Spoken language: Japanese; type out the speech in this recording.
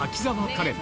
カレン